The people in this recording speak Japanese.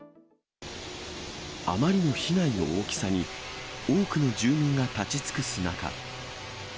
あまりの被害の大きさに、多くの住民が立ちつくす中。